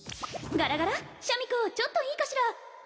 ガラガラシャミ子ちょっといいかしら？